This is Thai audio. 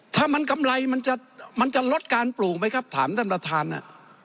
ถ้ามันกำไรมันจะลดการปลูกไหมครับถามท่านน่ะ